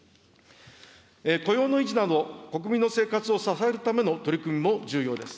雇用の維持など、国民の生活を支えるための取り組みも重要です。